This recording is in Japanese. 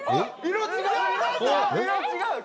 色違う。